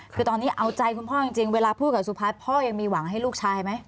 คือตอนนี้เอาใจคุณพ่อจริงเวลาพูดกับสุพัฒน์พ่อยังมีหวังให้ลูกชายไหม